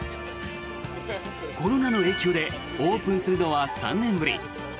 コロナの影響でオープンするのは３年ぶり。